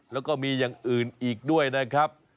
แล้วก็มีอย่างอื่นอีกด้วยนะครับ